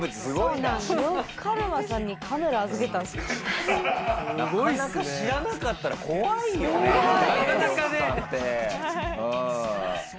なかなか知らなかったら怖いよね